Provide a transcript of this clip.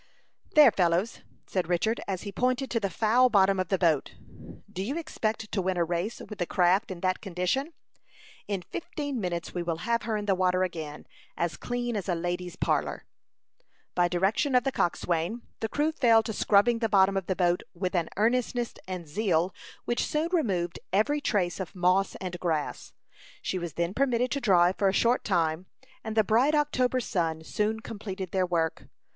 "There, fellows," said Richard, as he pointed to the foul bottom of the boat, "do you expect to win a race with the craft in that condition? In fifteen minutes we will have her in the water again, as clean as a lady's parlor." By direction of the coxswain, the crew fell to scrubbing the bottom of the boat with an earnestness and zeal which soon removed every trace of moss and grass. She was then permitted to dry for a short time, and the bright October sun soon completed their work.